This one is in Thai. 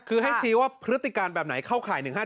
คือให้ชี้ว่าพฤติการแบบไหนเข้าข่าย๑๕๗